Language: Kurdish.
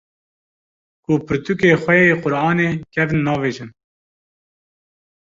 ku pirtûkê xwe yê Qur’anê kevn navêjin